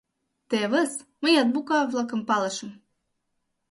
— Тевыс, мыят буква-влакым палышым.